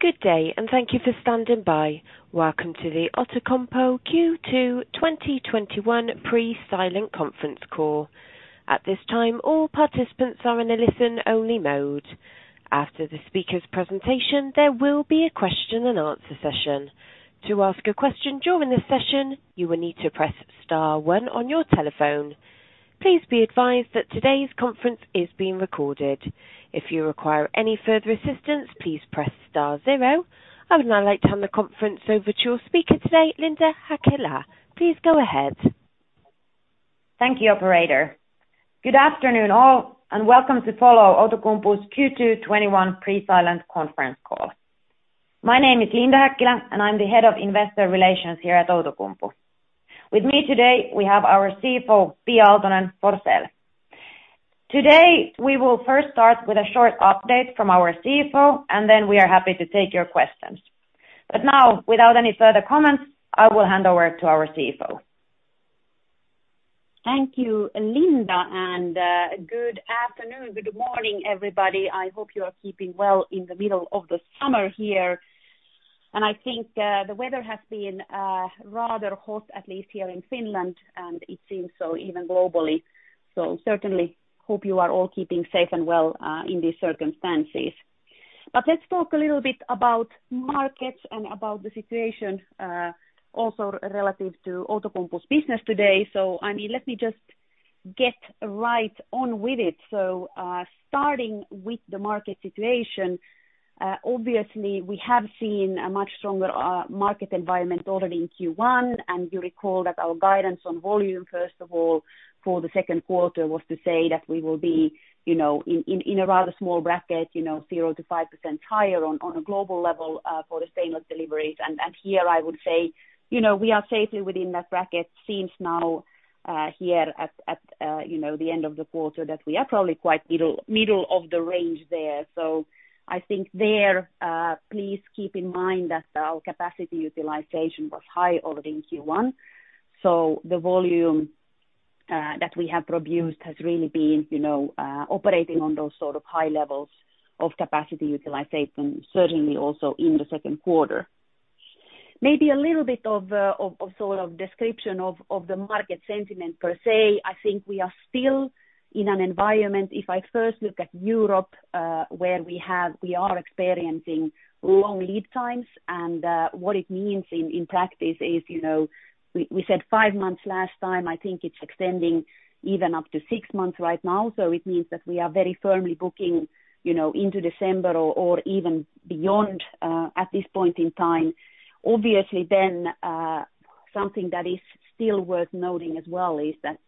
Good day, and thank you for standing by. Welcome to the Outokumpu Q2 2021 Pre-Silent Conference Call. At this time, all participants are in a listen-only mode. After the speaker's presentation, there will be a question and answer session. To ask a question during the session, you will need to press star one on your telephone. Please be advised that today's conference is being recorded. If you require any further assistance, please press star zero. I would now like to hand the conference over to your speaker today, Linda Häkkilä. Please go ahead. Thank you, operator. Good afternoon all, welcome to follow Outokumpu's Q2 2021 Pre-Silent Conference Call. My name is Linda Häkkilä, and I'm the Head of Investor Relations here at Outokumpu. With me today, we have our CFO, Pia Aaltonen-Forsell. Today, we will first start with a short update from our CFO, and then we are happy to take your questions. Now, without any further comments, I will hand over to our CFO. Thank you, Linda, and good afternoon. Good morning, everybody. I hope you are keeping well in the middle of the summer here. I think the weather has been rather hot, at least here in Finland, and it seems so even globally. Certainly, hope you are all keeping safe and well in these circumstances. Let's talk a little bit about markets and about the situation, also relative to Outokumpu's business today. Let me just get right on with it. Starting with the market situation, obviously, we have seen a much stronger market environment already in Q1, and you recall that our guidance on volume, first of all, for the second quarter was to say that we will be in about a small bracket, 0%-5% higher on a global level for the stainless deliveries. Here I would say, we are safely within that bracket. Seems now here at the end of the quarter that we are probably quite middle of the range there. I think there, please keep in mind that our capacity utilization was high already in Q1. The volume that we have produced has really been operating on those sort of high levels of capacity utilization, certainly also in the second quarter. Maybe a little bit of description of the market sentiment per se, I think we are still in an environment, if I first look at Europe, where we are experiencing long lead times. What it means in practice is, we said five months last time, I think it's extending even up to six months right now. It means that we are very firmly booking into December or even beyond at this point in time. Something that is still worth noting as well is that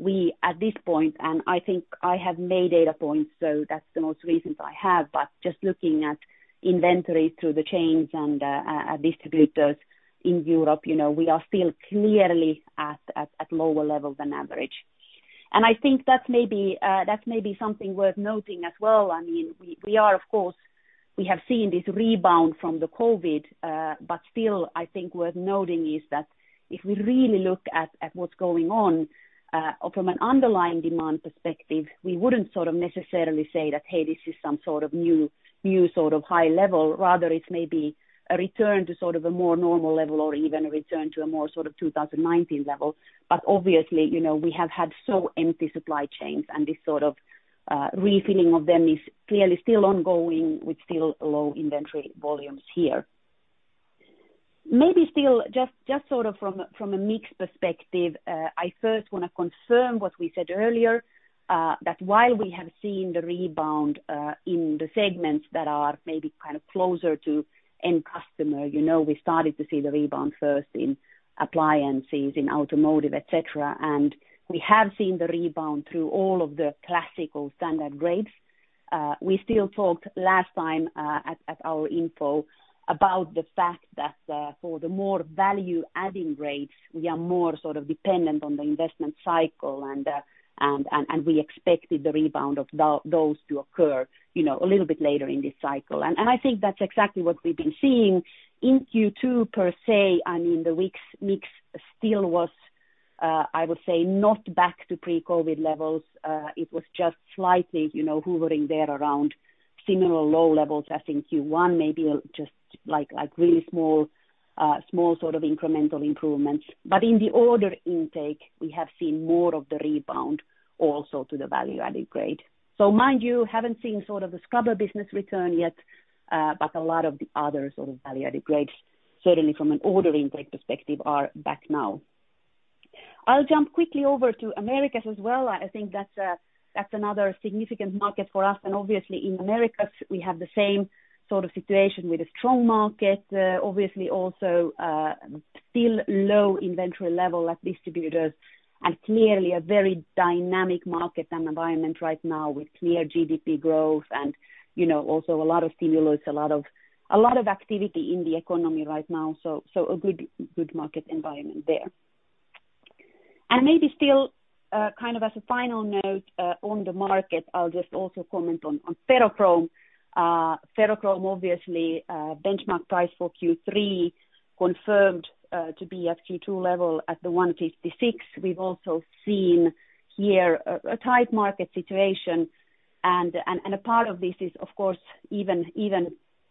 we, at this point, and I think I have May data points, so that's the most recent I have, but just looking at inventory through the chains and distributors in Europe, we are still clearly at lower levels than average. I think that may be something worth noting as well. We have seen this rebound from the COVID, but still I think worth noting is that if we really look at what's going on from an underlying demand perspective, we wouldn't necessarily say that, "Hey, this is some sort of new high level." Rather it may be a return to a more normal level or even a return to a more 2019 level. Obviously, we have had so empty supply chains, and this refilling of them is clearly still ongoing with still low inventory volumes here. Maybe still, just from a mix perspective, I first want to confirm what we said earlier, that while we have seen the rebound in the segments that are maybe kind of closer to end customer, we started to see the rebound first in appliances, in automotive, et cetera, and we have seen the rebound through all of the classical standard grades. We still talked last time at our info about the fact that for the more value-adding grades, we are more dependent on the investment cycle, and we expected the rebound of those to occur a little bit later in this cycle. I think that's exactly what we've been seeing in Q2 per se. I mean, the mix still was, I would say, not back to pre-COVID levels. It was just slightly hovering there around similar low levels, I think Q1, maybe just really small incremental improvements. In the order intake, we have seen more of the rebound also to the value-added grade. Mind you, haven't seen the scrubber business return yet, but a lot of the other value-added grades, certainly from an order intake perspective, are back now. I'll jump quickly over to Americas as well. I think that's another significant market for us. Obviously, in Americas, we have the same sort of situation with a strong market, obviously also still low inventory level at distributors and clearly a very dynamic market and environment right now with clear GDP growth and also a lot of stimulus, a lot of activity in the economy right now. A good market environment there. Maybe still, kind of as a final note on the market, I'll just also comment on ferrochrome. Ferrochrome, obviously, benchmark price for Q3 confirmed to be at Q2 level at the 156. We've also seen here a tight market situation. A part of this is, of course, even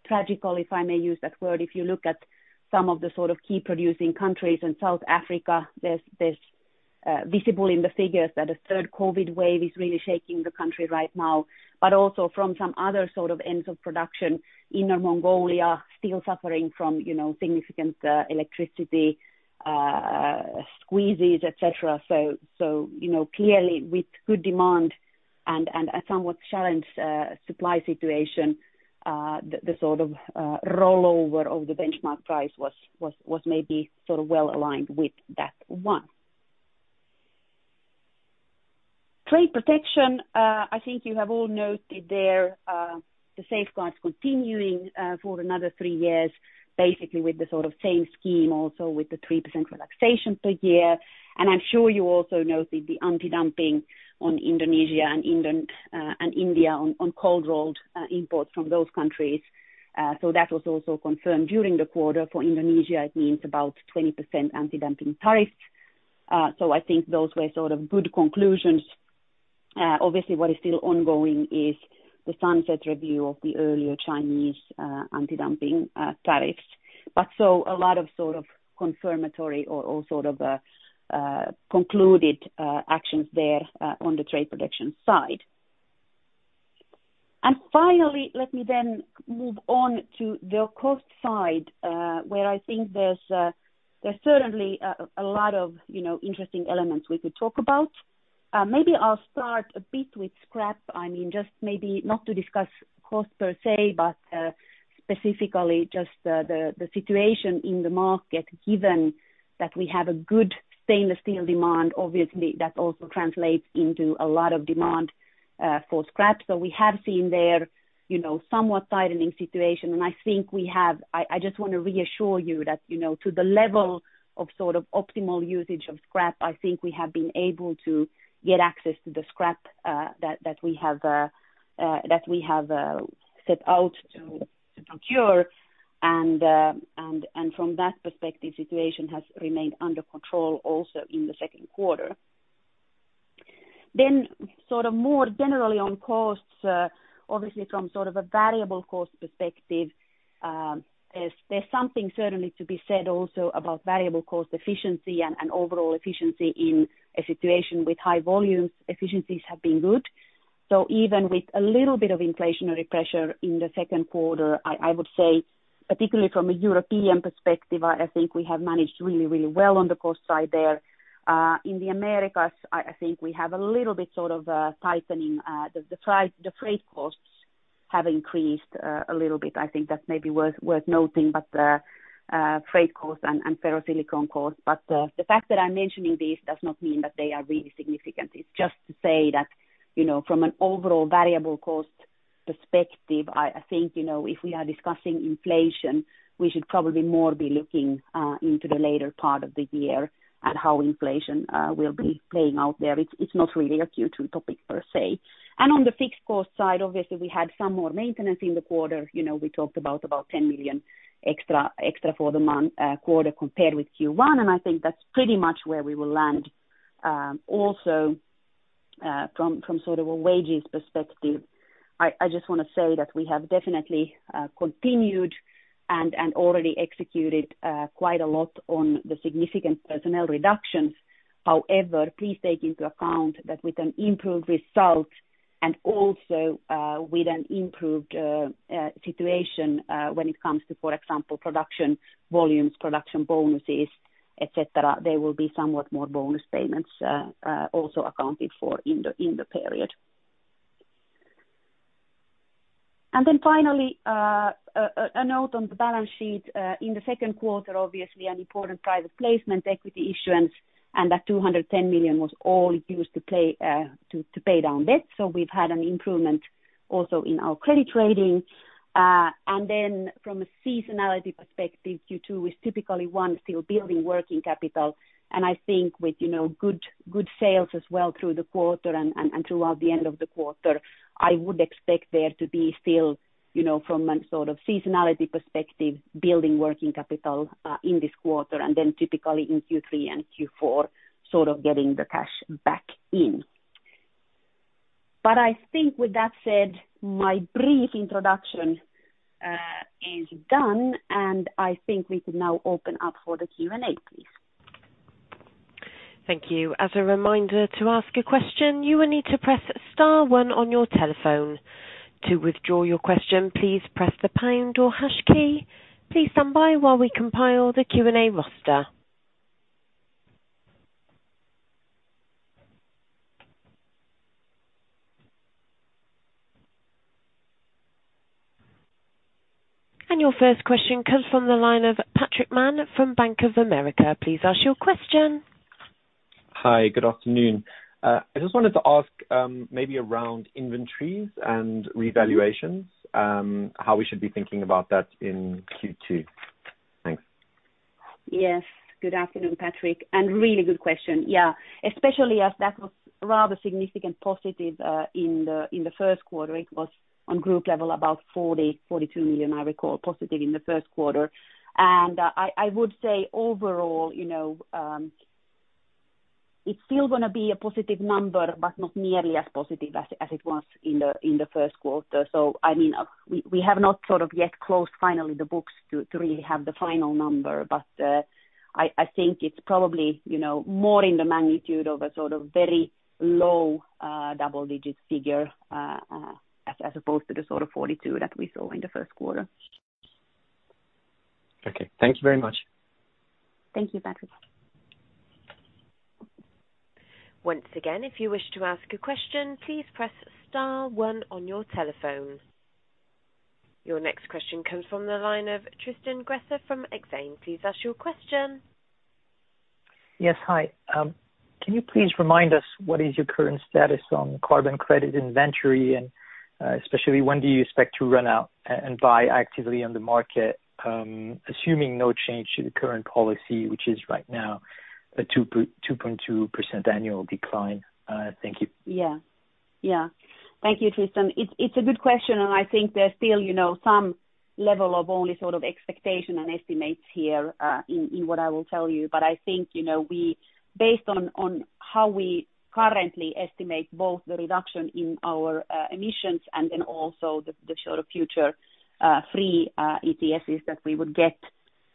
tragically, if I may use that word, if you look at some of the key producing countries in South Africa, there's visible in the figures that a third COVID wave is really shaking the country right now, but also from some other ends of production, Inner Mongolia, still suffering from significant electricity squeezes, et cetera. Clearly with good demand and a somewhat challenged supply situation, the rollover of the benchmark price was maybe well aligned with that one. Trade protection, I think you have all noted there, the safeguards continuing for another three years, basically with the same scheme, also with the 3% relaxation per year. I'm sure you also noted the antidumping on Indonesia and India on cold-rolled imports from those countries. That was also confirmed during the quarter. For Indonesia, it means about 20% antidumping tariffs. I think those were good conclusions. Obviously, what is still ongoing is the sunset review of the earlier Chinese antidumping tariffs. A lot of confirmatory or concluded actions there on the trade protection side. Finally, let me then move on to the cost side, where I think there's certainly a lot of interesting elements we could talk about. Maybe I'll start a bit with scrap. I mean, just maybe not to discuss costs per se, but specifically just the situation in the market, given that we have a good stainless steel demand, obviously, that also translates into a lot of demand for scrap. We have seen there, somewhat tightening situation, and I just want to reassure you that to the level of optimal usage of scrap, I think we have been able to get access to the scrap that we have set out to procure, and from that perspective, the situation has remained under control also in the second quarter. More generally on costs, obviously from a variable cost perspective, there is something certainly to be said also about variable cost efficiency and overall efficiency in a situation with high volumes, efficiencies have been good. Even with a little bit of inflationary pressure in the second quarter, I would say, particularly from a European perspective, I think we have managed really well on the cost side there. In the Americas, I think we have a little bit of a tightening. The freight costs have increased a little bit. I think that's maybe worth noting, but the freight cost and ferrosilicon cost, but the fact that I'm mentioning these does not mean that they are really significant. It's just to say that from an overall variable cost perspective, I think, if we are discussing inflation, we should probably more be looking into the later part of the year at how inflation will be playing out there. It's not really a Q2 topic per se. On the fixed cost side, obviously, we had some more maintenance in the quarter. We talked about about 10 million extra for the quarter compared with Q1, and I think that's pretty much where we will land. Also, from a wages perspective, I just want to say that we have definitely continued and already executed quite a lot on the significant personnel reductions. However, please take into account that with an improved result and also with an improved situation when it comes to, for example, production volumes, production bonuses, et cetera, there will be somewhat more bonus payments also accounted for in the period. Finally, a note on the balance sheet. In the second quarter, obviously an important private placement equity issuance, and that 210 million was all used to pay down debt. We've had an improvement also in our credit rating. From a seasonality perspective, Q2 is typically one still building working capital, and I think with good sales as well through the quarter and towards the end of the quarter, I would expect there to be still, from a seasonality perspective, building working capital in this quarter and then typically in Q3 and Q4, getting the cash back in. I think with that said, my brief introduction is done, and I think we can now open up for the Q&A, please. Thank you. As a reminder, to ask a question, you will need to press star one on your telephone. To withdraw your question, please press the pound or hash key. Please stand by while we compile the Q&A roster. Your first question comes from the line of Patrick Mann from Bank of America. Please ask your question. Hi. Good afternoon. I just wanted to ask maybe around inventories and revaluations, how we should be thinking about that in Q2. Thanks. Yes. Good afternoon, Patrick, really good question. Yeah. Especially as that was rather significant positive in the first quarter. It was on group level about 40 million, 42 million, I recall, positive in the first quarter. I would say overall it's still going to be a positive number, but not nearly as positive as it was in the first quarter. We have not yet closed finally the books to really have the final number. I think it's probably more in the magnitude of a very low double-digit figure as opposed to the sort of 42 that we saw in the first quarter. Okay. Thank you very much. Thank you, Patrick. Your next question comes from the line of Tristan Gresser from Exane. Please ask your question. Yes. Hi. Can you please remind us what is your current status on carbon credit inventory, and especially when do you expect to run out and buy actively on the market, assuming no change to the current policy, which is right now a 2.2% annual decline. Thank you. Yeah. Thank you, Tristan. It's a good question, and I think there's still some level of only sort of expectation and estimates here in what I will tell you. I think based on how we currently estimate both the reduction in our emissions and then also the sort of future free ETSes that we would get,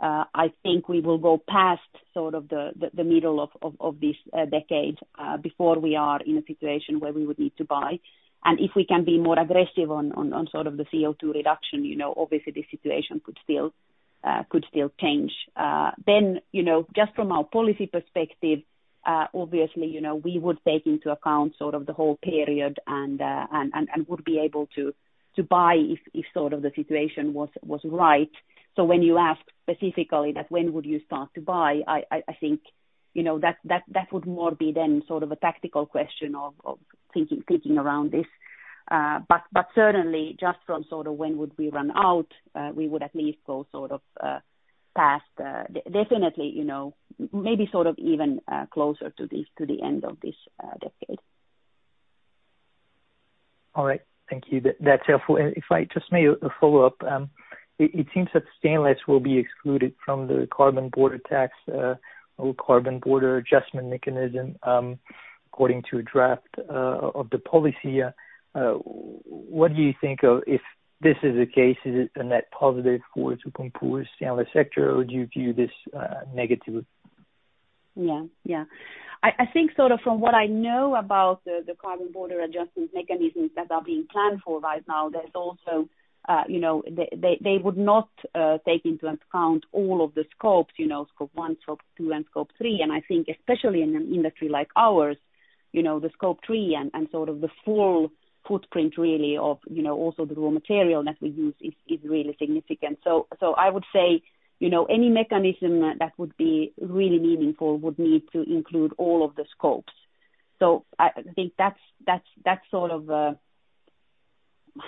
I think we will go past sort of the middle of this decade before we are in a situation where we would need to buy. If we can be more aggressive on the CO2 reduction, obviously the situation could still change. Just from a policy perspective, obviously, we would take into account the whole period and would be able to buy if the situation was right. When you ask specifically that when would you start to buy, I think that would more be then a tactical question of thinking around this. Certainly just from when would we run out, we would at least go sort of past definitely, maybe even closer to the end of this decade. All right. Thank you. That's helpful. If I just may follow up, it seems that stainless will be excluded from the carbon border tax or carbon border adjustment mechanism according to a draft of the policy. What do you think if this is the case, is it a net positive for Outokumpu steel sector, or would you view this negative? I think from what I know about the carbon border adjustment mechanisms that are being planned for right now, they would not take into account all of the Scopes. Scope 1, Scope 2, and Scope 3. I think especially in an industry like ours, the Scope 3 and sort of the full footprint really of also the raw material that we use is really significant. I would say any mechanism that would be really meaningful would need to include all of the Scopes.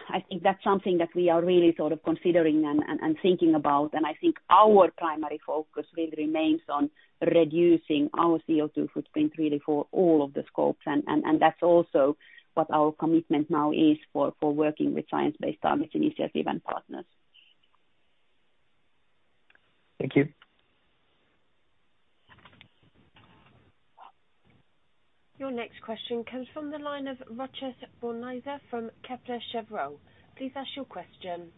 I think that's something that we are really sort of considering and thinking about. I think our primary focus really remains on reducing our CO2 footprint really for all of the Scopes. That's also what our commitment now is for working with Science Based Targets initiatives and partners. Thank you. Your next question comes from the line of Rochus Brauneiser from Kepler Cheuvreux. Please ask your question.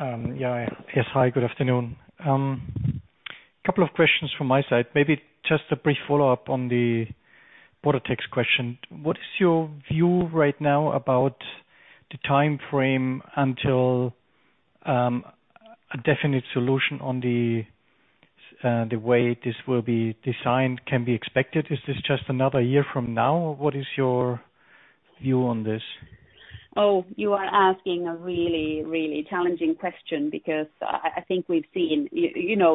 Yes, hi, good afternoon. Couple of questions from my side. Maybe just a brief follow-up on the border tax question. What is your view right now about the timeframe until a definite solution on the way this will be designed can be expected? Is this just another year from now? What is your view on this? Oh, you are asking a really, really challenging question because I think we've seen,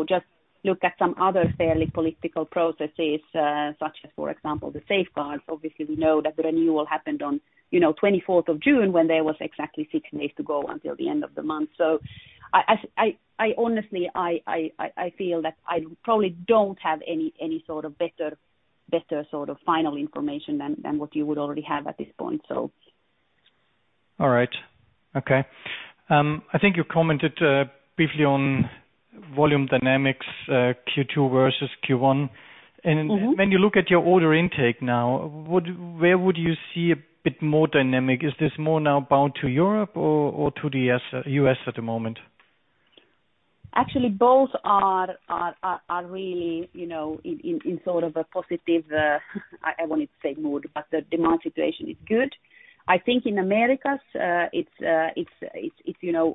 just look at some other fairly political processes such as, for example, the safeguards. Obviously, we know that the renewal happened on June 24th when there was exactly six days to go until the end of the month. Honestly, I feel that I probably don't have any sort of better sort of final information than what you would already have at this point. All right. Okay. I think you commented briefly on volume dynamics Q2 versus Q1. When you look at your order intake now, where would you see a bit more dynamic? Is this more now bound to Europe or to the U.S. at the moment? Actually, both are really in sort of a positive, I wanted to say mood, but the demand situation is good. I think in Americas, it's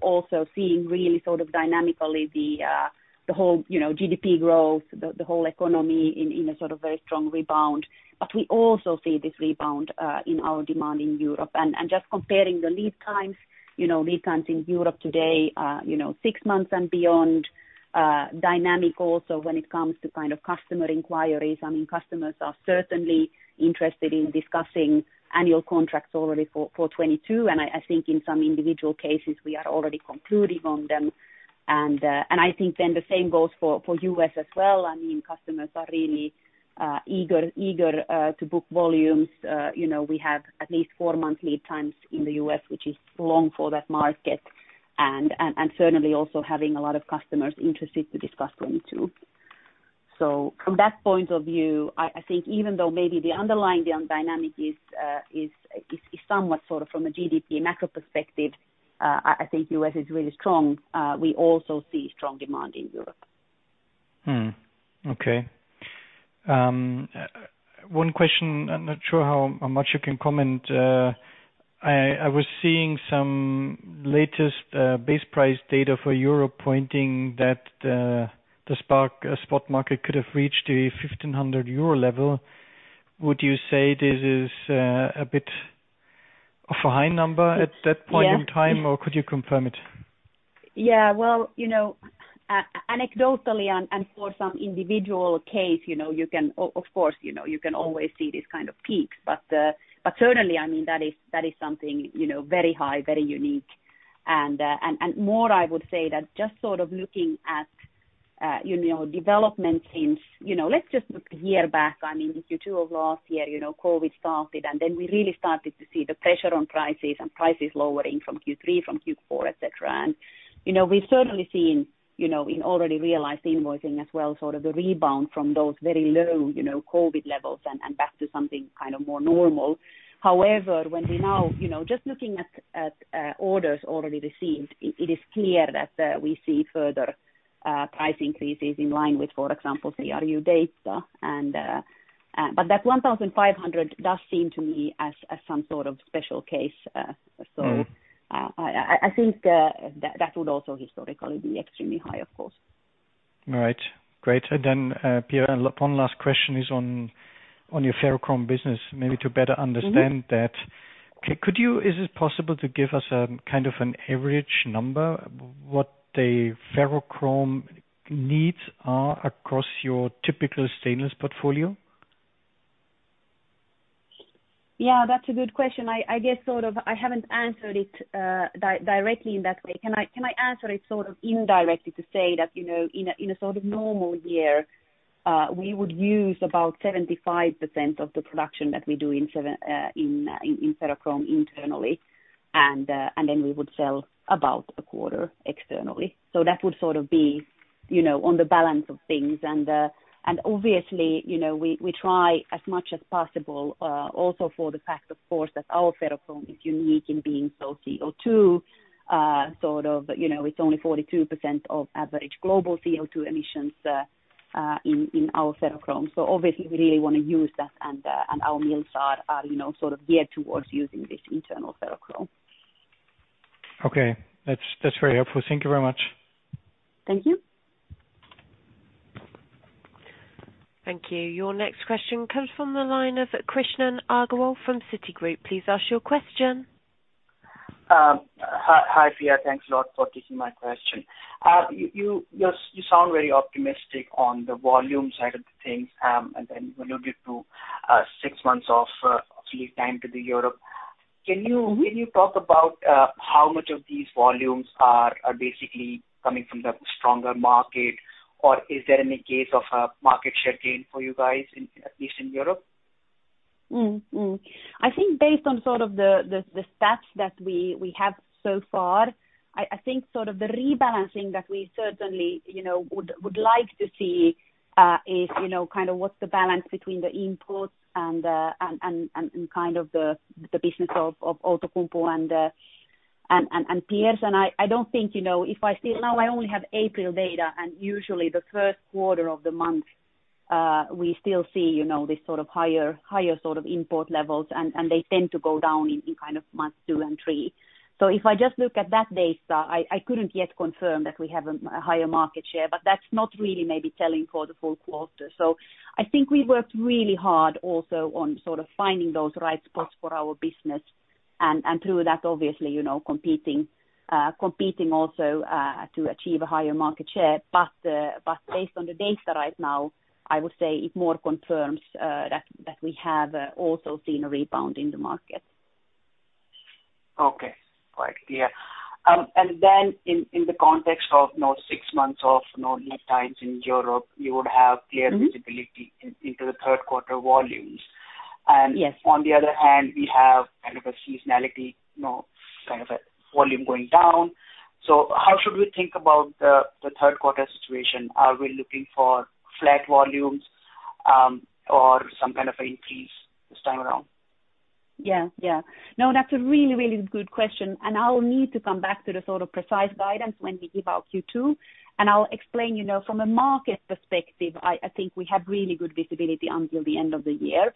also seeing really sort of dynamically the whole GDP growth, the whole economy in a sort of very strong rebound. We also see this rebound in our demand in Europe. Just comparing the lead times in Europe today six months and beyond dynamic also when it comes to kind of customer inquiries. I mean, customers are certainly interested in discussing annual contracts already for 2022, and I think in some individual cases we are already concluding on them. I think the same goes for U.S. as well. I mean customers are really eager to book volumes. We have at least four-month lead times in the U.S., which is long for that market. Certainly also having a lot of customers interested to discuss with them too. From that point of view, I think even though maybe the underlying demand dynamic is somewhat from a GDP macro perspective, I think U.S. is really strong. We also see strong demand in Europe. Okay. One question, I'm not sure how much you can comment. I was seeing some latest base price data for Europe pointing that the spot market could have reached a 1,500 euro level. Would you say this is a bit of a high number at that point in time, or could you confirm it? Yeah, well, anecdotally and for some individual case, of course, you can always see these kind of peaks, but certainly, that is something very high, very unique and more I would say that just looking at development. Let's just look a year back. In Q2 of last year, COVID started. We really started to see the pressure on prices and prices lowering from Q3 from Q4, et cetera. We've certainly seen, in already realized invoicing as well, sort of the rebound from those very low COVID levels and back to something kind of more normal. However, when we now, just looking at orders already received, it is clear that we see further price increases in line with, for example, say, CRU data. That 1,500 does seem to me as some sort of special case. I think that would also historically be extremely high, of course. Right. Great. Pia, one last question is on your ferrochrome business, maybe to better understand that. Okay. Is it possible to give us a kind of an average number, what the ferrochrome needs are across your typical stainless portfolio? Yeah, that's a good question. I guess I haven't answered it directly in that way. Can I answer it sort of indirectly to say that, in a sort of normal year, we would use about 75% of the production that we do in ferrochrome internally, and then we would sell about a quarter externally. That would sort of be on the balance of things. Obviously, we try as much as possible, also for the fact, of course, that our ferrochrome is unique in being low CO2. It's only 42% of average global CO2 emissions in our ferrochrome. Obviously we really want to use that, and our mills are geared towards using this internal ferrochrome. Okay, that's very helpful. Thank you very much. Thank you. Thank you. Your next question comes from the line of Krishan Agarwal from Citigroup. Please ask your question. Hi, Pia. Thanks a lot for taking my question. You sound very optimistic on the volume side of the things, and then you're looking to six months of lead time to the Europe. Can you maybe talk about how much of these volumes are basically coming from the stronger market, or is there any case of a market share gain for you guys in, at least in Europe? I think based on sort of the stats that we have so far, I think sort of the rebalancing that we certainly would like to see is kind of what's the balance between the imports and kind of the business of Outokumpu and peers. I don't think. Now I only have April data, and usually the first quarter of the month, we still see this sort of higher import levels, and they tend to go down in kind of month two and three. If I just look at that data, I couldn't yet confirm that we have a higher market share, but that's not really maybe telling for the full quarter. I think we worked really hard also on sort of finding those right spots for our business and through that, obviously, competing also to achieve a higher market share. Based on the data right now, I would say it more confirms that we have also seen a rebound in the market. Okay. Quite clear. In the context of six months of lead times in Europe, we would have clear visibility into the third quarter volumes. Yes. On the other hand, we have kind of a seasonality, kind of a volume going down. How should we think about the third quarter situation? Are we looking for flat volumes or some kind of increase this time around? Yeah. No, that's a really good question, and I'll need to come back to the sort of precise guidance when we give out Q2, and I'll explain from a market perspective, I think we had really good visibility until the end of the year.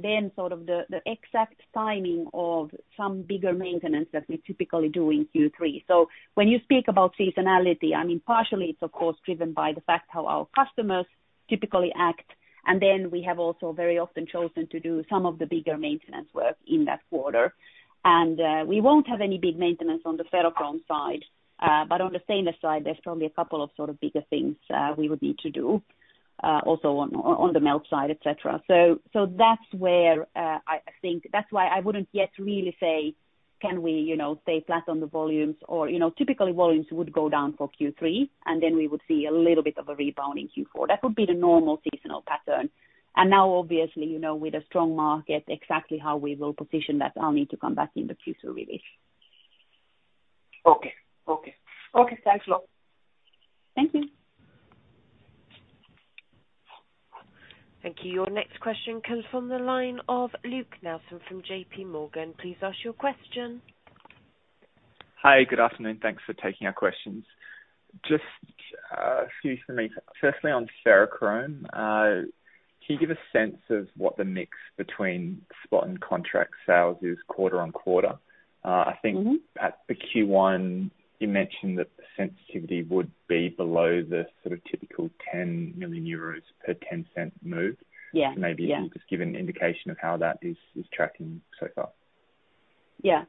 Then sort of the exact timing of some bigger maintenance that we typically do in Q3. When you speak about seasonality, I mean, partially it's of course driven by the fact how our customers typically act, and then we have also very often chosen to do some of the bigger maintenance work in that quarter. We won't have any big maintenance on the ferrochrome side. On the stainless side, there's probably a couple of sort of bigger things we would need to do also on the melt side, et cetera. That's why I wouldn't yet really say, can we stay flat on the volumes or typically volumes would go down for Q3, then we would see a little bit of a rebound in Q4. That would be the normal seasonal pattern. Now obviously, with a strong market, exactly how we will position that, I'll need to come back in the Q2 release. Okay. Thanks a lot. Thank you. Thank you. Your next question comes from the line of Luke Nelson from JPMorgan. Please ask your question. Hi, good afternoon. Thanks for taking our questions. Just a few for me. Firstly, on ferrochrome, can you give a sense of what the mix between spot and contract sales is quarter-on-quarter? I think at the Q1, you mentioned that the sensitivity would be below the typical 10 million euros per 0.10 move. Yeah. Maybe you can just give an indication of how that is tracking so far. Yeah.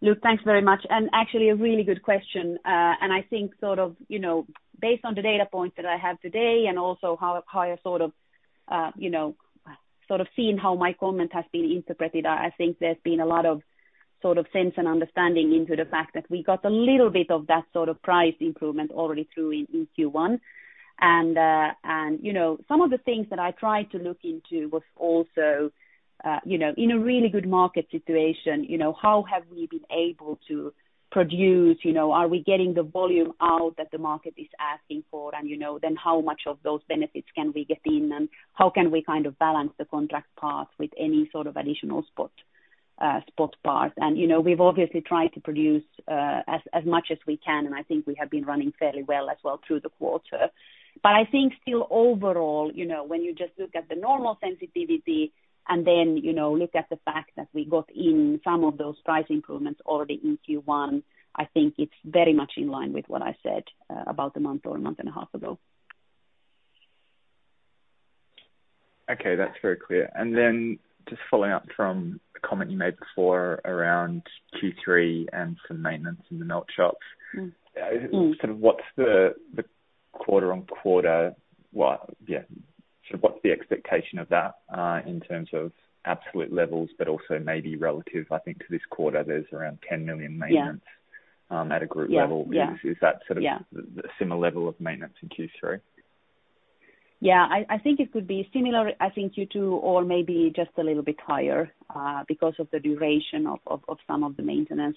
Luke, thanks very much, actually a really good question. I think based on the data points that I have today, also how I've seen how my comment has been interpreted, I think there's been a lot of sense and understanding into the fact that we got a little bit of that price improvement already through in Q1. Some of the things that I tried to look into was also, in a really good market situation, how have we been able to produce? Are we getting the volume out that the market is asking for? How much of those benefits can we retain, and how can we balance the contract part with any sort of additional spot parts? We've obviously tried to produce as much as we can, and I think we have been running fairly well as well through the quarter. I think still overall, when you just look at the normal sensitivity and then look at the fact that we got in some of those price improvements already in Q1, I think it's very much in line with what I said about a month or a month and a half ago. Okay, that's very clear. Just following up from a comment you made before around Q3 and some maintenance in the melt shops. What's the expectation of that, in terms of absolute levels but also maybe relative? I think this quarter there's around 10 million- Yeah. at a group level. Yeah. Is that sort of similar level of maintenance in Q3? Yeah, I think it could be similar, I think Q2 or maybe just a little bit higher, because of the duration of some of the maintenance.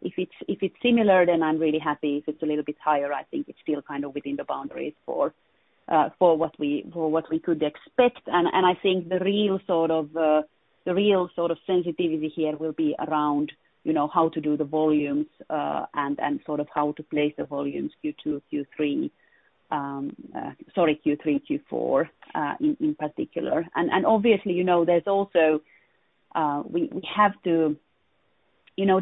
If it's similar, then I'm really happy. If it's a little bit higher, I think it's still kind of within the boundaries for what we could expect and I think the real sensitivity here will be around how to do the volumes, and how to place the volumes Q3, Q4, in particular. Obviously,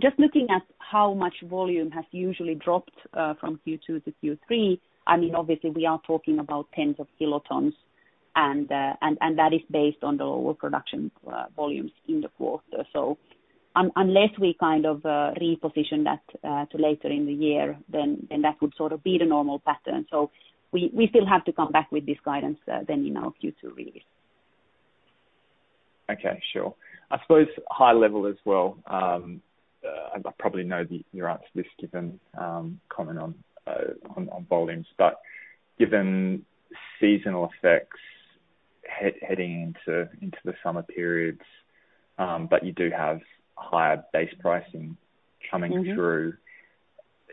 just looking at how much volume has usually dropped from Q2 to Q3, obviously we are talking about tens of kilotons, and that is based on the overall production volumes in the quarter. Unless we kind of reposition that to later in the year, then that would sort of be the normal pattern. We still have to come back with this guidance then in our future releases. Okay, sure. I suppose high level as well, and I probably know your answer to this given comment on volumes, but given seasonal effects heading into the summer periods, but you do have higher base pricing coming through.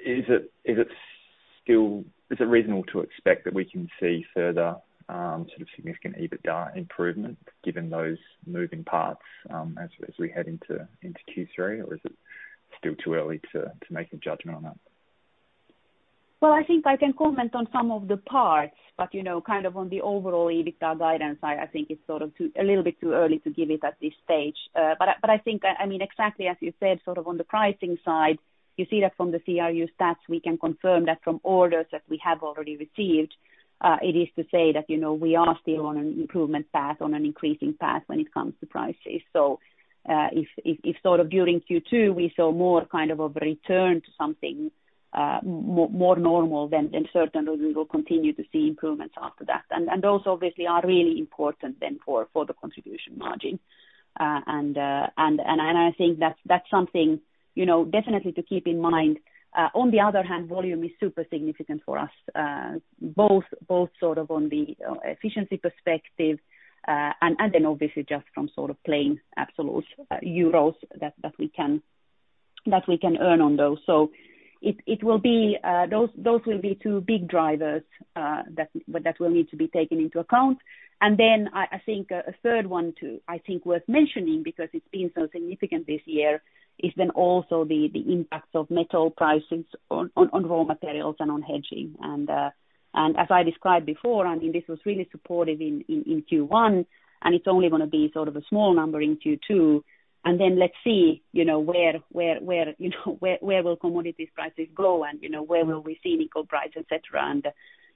Is it reasonable to expect that we can see further significant EBITDA improvement given those moving parts as we head into Q3, or is it still too early to make a judgment on that? Well, I think I can comment on some of the parts, on the overall EBITDA guidance, I think it's a little bit too early to give it at this stage. I think that, exactly as you said, on the pricing side, you see that from the CRU stats, we can confirm that from orders that we have already received, it is to say that we are still on an improvement path, on an increasing path when it comes to prices. If during Q2, we saw more of a return to something more normal, certainly we will continue to see improvements after that. Those obviously are really important then for the contribution margin. I think that's something definitely to keep in mind. On the other hand, volume is super significant for us, both on the efficiency perspective and then obviously just from plain absolute euros that we can earn on those. Those will be two big drivers that will need to be taken into account. I think a third one, too, I think worth mentioning, because it's been so significant this year, is then also the impact of metal prices on raw materials and on hedging. As I described before, this was really supportive in Q1, and it's only going to be a small number in Q2, then let's see where will commodity prices go and where will we see nickel price, et cetera.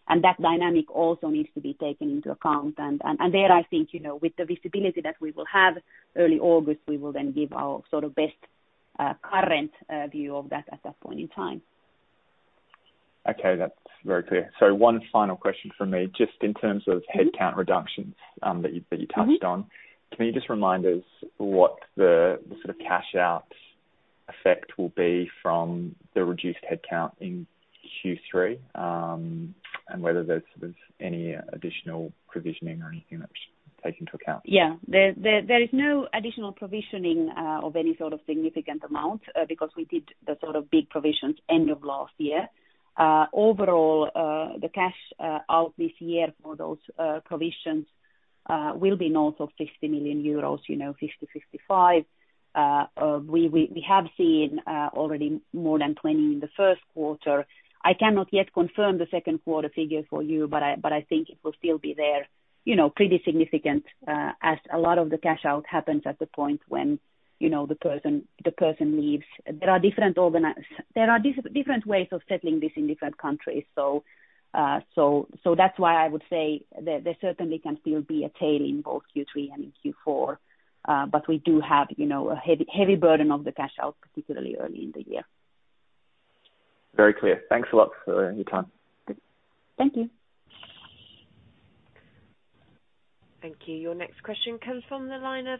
That dynamic also needs to be taken into account. There I think, with the visibility that we will have early August, we will then give our best current view of that at that point in time. Okay, that's very clear. One final question from me, just in terms of headcount reductions that you touched on. Can you just remind us what the sort of cash out effect will be from the reduced headcount in Q3, and whether there's any additional provisioning or anything that should take into account? Yeah. There is no additional provisioning of any sort of significant amount, because we did the big provisions end of last year. Overall, the cash out this year for those provisions will be north of 50 million euros, 50 million-55 million. We have seen already more than 20 in the first quarter. I cannot yet confirm the second quarter figure for you, but I think it will still be there, pretty significant, as a lot of the cash out happens at the point when the person leaves. There are different ways of setting this in different countries. So that is why I would say there certainly can still be a tail in both Q3 and Q4, but we do have a heavy burden of the cash out, particularly early in the year. Very clear. Thanks a lot for your time. Thank you. Thank you. Your next question comes from the line of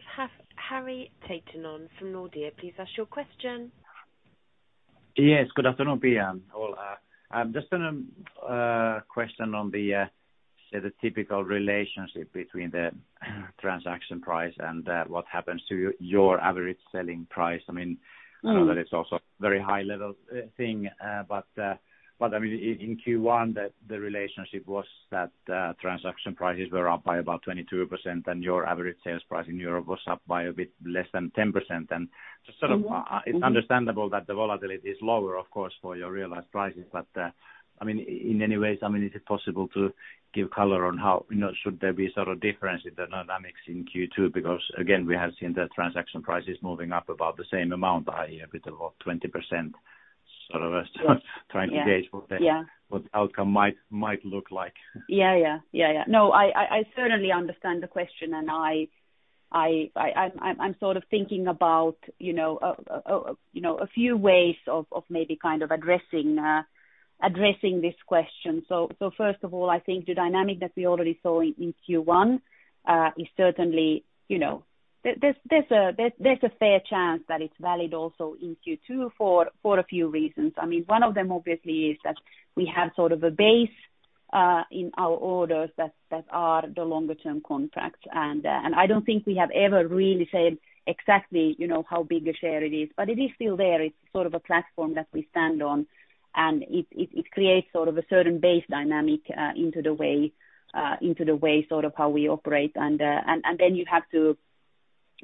Harri Taittonen on from Nordea. Please ask your question. Yes, good afternoon, Pia. A question on the typical relationship between the transaction price and what happens to your average selling price. I mean, I know that it's also very high level thing, in Q1, the relationship was that transaction prices were up by about 22%, and your average sales price in Europe was up by a bit less than 10%. It's understandable that the volatility is lower, of course, for your realized prices. In many ways, is it possible to give color on how, should there be sort of difference in the dynamics in Q2? Again, we have seen the transaction prices moving up about the same amount by a bit of about 20%- Yeah. what the outcome might look like. I certainly understand the question, I'm thinking about a few ways of maybe kind of addressing this question. First of all, I think the dynamic that we already saw in Q1 is certainly a fair chance that it's valid also in Q2 for a few reasons. One of them, obviously, is that we have sort of a base in our orders that are the longer term contracts. I don't think we have ever really said exactly how big a share it is. It is still there, it's sort of a platform that we stand on, it creates a certain base dynamic into the way how we operate. You have to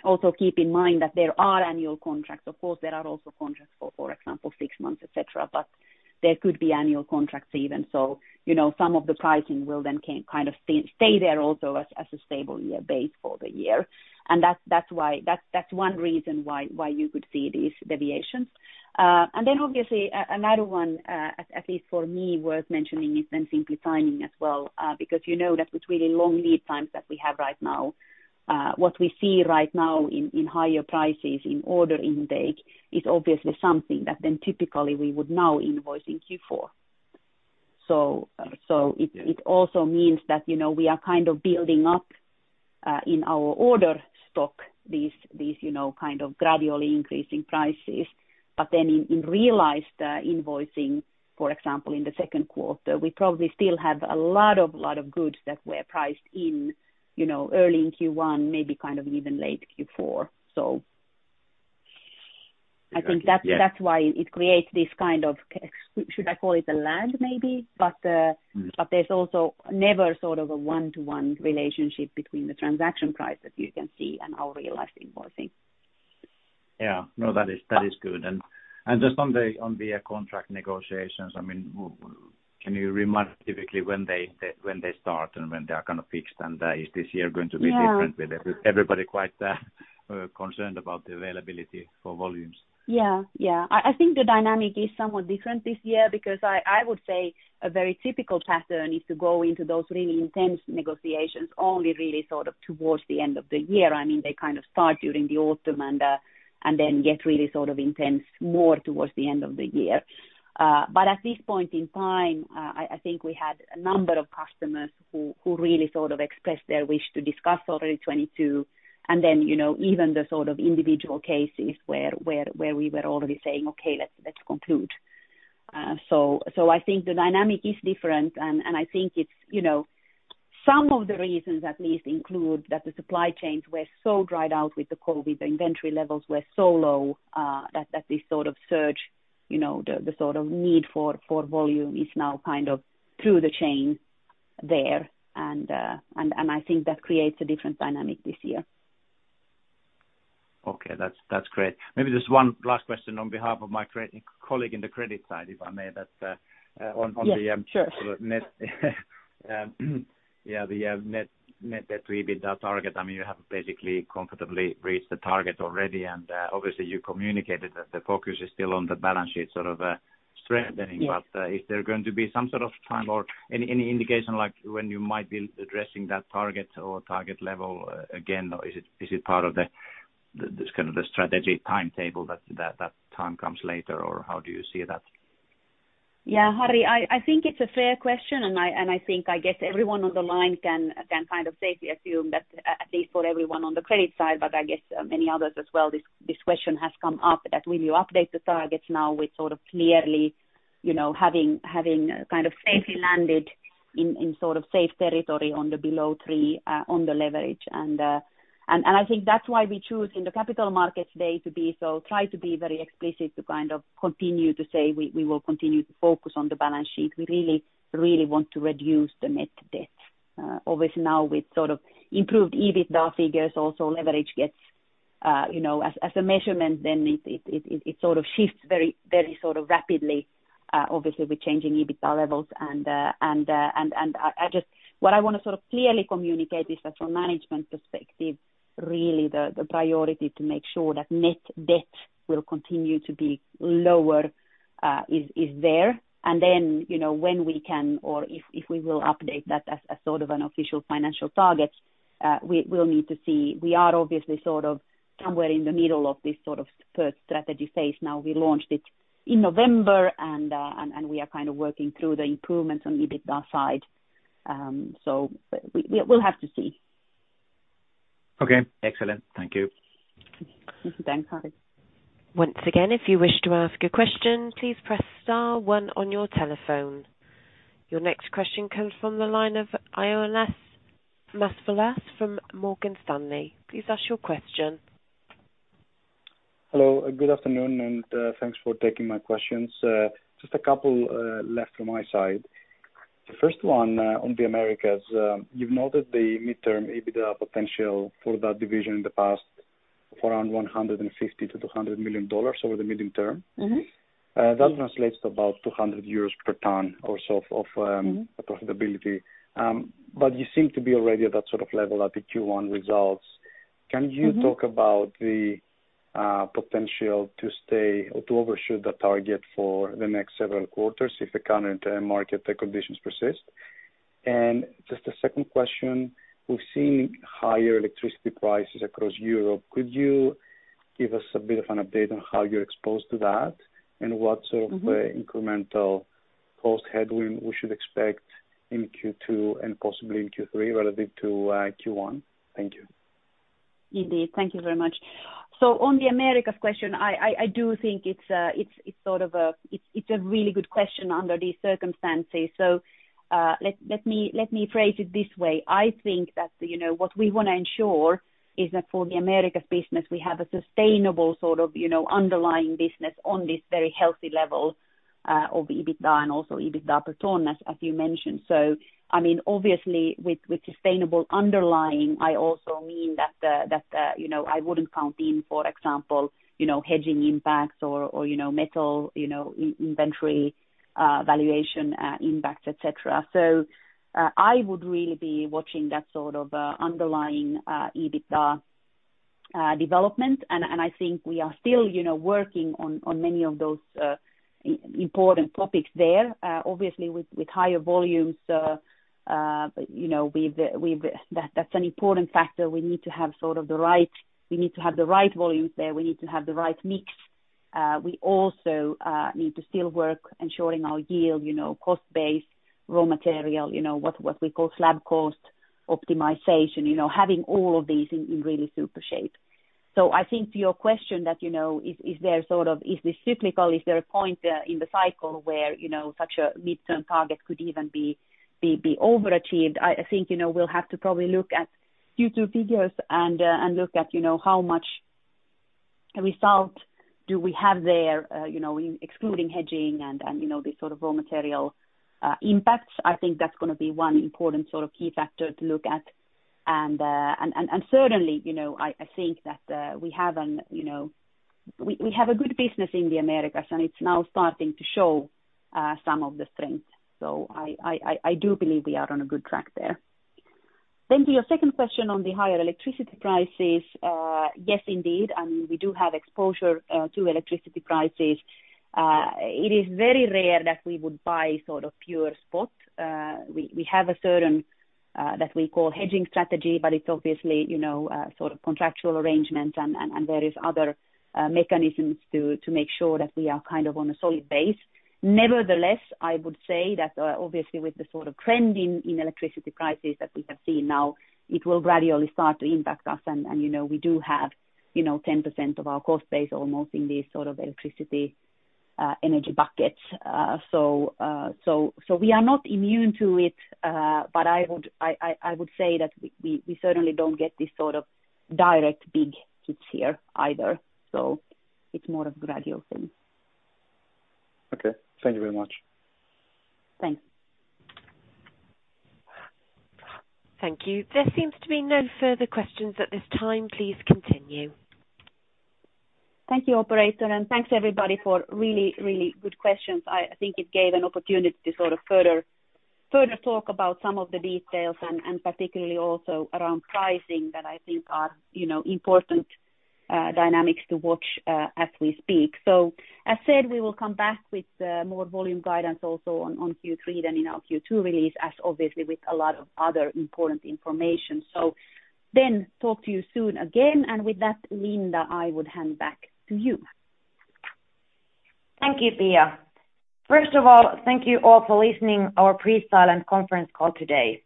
also keep in mind that there are annual contracts. Of course, there are also contracts for example, six months, et cetera. There could be annual contracts even, some of the pricing will then kind of stay there also as a stable year base for the year. That's one reason why you could see these variations. Obviously, another one, at least for me, worth mentioning, is simply timing as well. Because you know that with really long lead times that we have right now, what we see right now in higher prices in order intake is obviously something that then typically we would now invoice in Q4. It also means that we are kind of building up, in our order stock, these gradually increasing prices. In realized invoicing, for example, in the second quarter, we probably still have a lot of goods that were priced in early in Q1, maybe even late Q4. I think that's why it creates this kind of, should I call it a lag, maybe? There's also never a one-to-one relationship between the transaction prices you can see and our realized invoicing. Yeah. No, that is good. Just on the contract negotiations, can you remind us typically when they start and when they are going to fix them? Is this year going to be different? Yeah. Everybody quite concerned about the availability for volumes. Yeah. I think the dynamic is somewhat different this year because I would say a very typical pattern is to go into those really intense negotiations only really towards the end of the year. They kind of start during the autumn, and then get really intense more towards the end of the year. At this point in time, I think we had a number of customers who really expressed their wish to discuss 2022, and then even the individual cases where we were already saying, "Okay, let's conclude." I think the dynamic is different, and I think some of the reasons at least include that the supply chains were so dried out with the COVID, the inventory levels were so low, that this sort of surge, the need for volume is now through the chain there. I think that creates a different dynamic this year. Okay. That's great. Maybe just one last question on behalf of my colleague in the credit side, if I may. Yeah. Sure. On the net debt EBITDA target, you have basically comfortably reached the target already, and obviously you communicated that the focus is still on the balance sheet strengthening. Yeah. Is there going to be some sort of time or any indication, like when you might be addressing that target or target level again? Is it part of the strategic timetable that time comes later, or how do you see that? Harri, I think it's a fair question. I think everyone on the line can safely assume that, at least for everyone on the credit side, but I guess many others as well, this question has come up that will you update the targets now we're clearly having safely landed in safe territory on the below three on the leverage. I think that's why we choose in the capital market today to try to be very explicit to continue to say we will continue to focus on the balance sheet. We really want to reduce the net debt. Obviously, now with improved EBITDA figures, also leverage as a measurement, then it shifts very rapidly, obviously, with changing EBITDA levels. What I want to clearly communicate is that from management perspective, really the priority to make sure that net debt will continue to be lower is there. Then, when we can or if we will update that as an official financial target, we'll need to see. We are obviously somewhere in the middle of this first strategy phase now. We launched it in November, and we are working through the improvements on the EBITDA side. We'll have to see. Okay, excellent. Thank you. Thanks, Harri. Once again, if you wish to ask a question, please press star one on your telephone. Your next question comes from the line of Ioannis Masvoulas from Morgan Stanley. Please ask your question. Hello, good afternoon, and thanks for taking my questions. Just a couple left from my side. The first one on the Americas. You've noted the midterm EBITDA potential for that division in the past for around $150 million-$200 million over the medium term. That translates to about 200 euros per ton or so of profitability. You seem to be already at that sort of level at the Q1 results. Can you talk about the potential to stay or to overshoot the target for the next several quarters if the current market conditions persist? Just a second question. We've seen higher electricity prices across Europe. Could you give us a bit of an update on how you're exposed to that and what sort of incremental cost headwind we should expect in Q2 and possibly in Q3 relative to Q1? Thank you. Indeed, thank you very much. On the Americas question, I do think it's a really good question under these circumstances. Let me phrase it this way. I think that what we want to ensure is that for the Americas business, we have a sustainable underlying business on this very healthy level of EBITDA and also EBITDA per ton, as you mentioned. Obviously, with sustainable underlying, I also mean that I wouldn't count in, for example, hedging impacts or metal inventory valuation impacts, et cetera. I would really be watching that sort of underlying EBITDA development, and I think we are still working on many of those important topics there. Obviously, with higher volumes, that's an important factor. We need to have the right volumes there. We need to have the right mix. We also need to still work ensuring our year cost base, raw material, what we call Slab Cost Optimization, having all of these in really super shape. I think to your question that is this cyclical, is there a point in the cycle where such a midterm target could even be overachieved? I think we'll have to probably look at Q2 figures and look at how much result do we have there excluding hedging and these sort of raw material impacts. I think that's going to be one important key factor to look at. Certainly, I think that we have a good business in the Americas, and it's now starting to show some of the strength. I do believe we are on a good track there. To your second question on the higher electricity prices, yes, indeed, and we do have exposure to electricity prices. It is very rare that we would buy pure spot. We have a certain, that we call hedging strategy, but it's obviously a contractual arrangement, and there is other mechanisms to make sure that we are on a solid base. Nevertheless, I would say that obviously with the sort of trending in electricity prices that we are seeing now, it will gradually start to impact us, and we do have 10% of our cost base almost in this sort of electricity energy bucket. We are not immune to it. I would say that we certainly don't get this sort of direct big hits here either. It's more of a gradual thing. Okay. Thank you very much. Thanks. Thank you. There seems to be no further questions at this time. Please continue. Thank you, operator, and thanks, everybody, for really, really good questions. I think it gave an opportunity to further talk about some of the details and particularly also around pricing that I think are important dynamics to watch as we speak. As said, we will come back with more volume guidance also on Q3 than in our Q2 release, as obviously with a lot of other important information. Talk to you soon again. And with that, Linda, I would hand back to you. Thank you, Pia. First of all, thank you all for listening our pre-silent conference call today.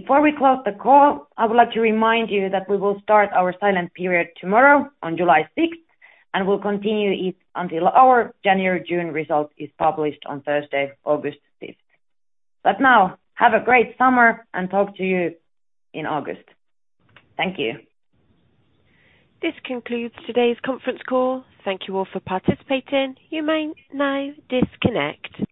Before we close the call, I would like to remind you that we will start our silent period tomorrow on July 6th, and we'll continue it until our January-June result is published on Thursday, August 5th. Now, have a great summer, and talk to you in August. Thank you. This concludes today's conference call, thank you all for participating, you may now disconnect.